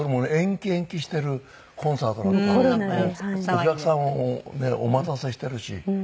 お客さんをお待たせしてるし。